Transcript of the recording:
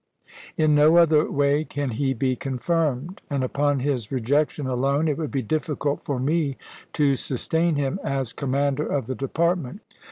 In no other way can he be con firmed; and upon his rejection alone, it would be difficult for me to sustain him as commander of the department.